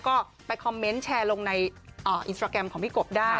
ก็ไปคอมเมนต์แชร์ลงในอินสตราแกรมของพี่กบได้